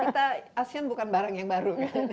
karena kita asean bukan barang yang baru